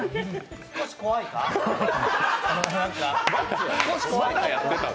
少し怖いな。